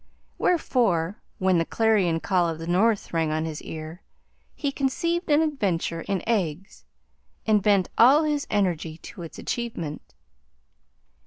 Wherefore, when the clarion call of the North rang on his ear, he conceived an adventure in eggs and bent all his energy to its achievement.